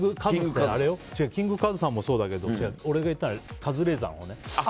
キングカズさんもそうだけど俺が言ったのはカズレーザーのほうね。